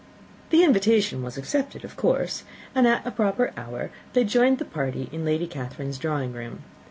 The invitation was accepted, of course, and at a proper hour they joined the party in Lady Catherine's drawing room.